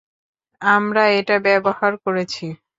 আমরা এটা ব্যবহার করেছি।